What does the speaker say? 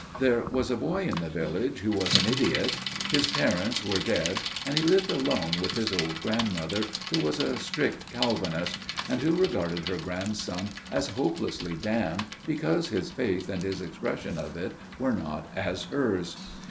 "There was a boy in the village who was an idiot. His parents were dead, and he lived alone with his old grandmother, who was a strict Calvinist, and who regarded her grandson as hopelessly damned because his faith and his expression of it were not as hers.